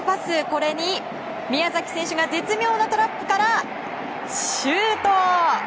これに宮崎選手が絶妙なトラップからシュート！